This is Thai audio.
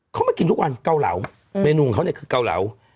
เขามากินทุกวันเกาเหลาเมนูของเขาเนี่ยคือเกาเหลา